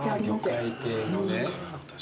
魚介系のね。